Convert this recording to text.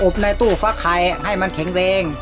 ในตู้ฟักไข่ให้มันแข็งแรง